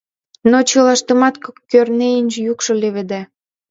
Но чылаштымат Кӧрнеин йӱкшӧ леведе: